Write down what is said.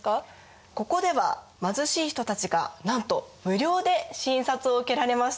ここでは貧しい人たちがなんと無料で診察を受けられました。